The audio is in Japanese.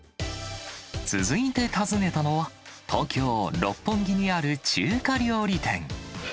続いて訪ねたのは、東京・六本木にある中華料理店。